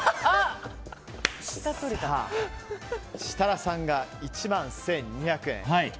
設楽さんが１万１２００円。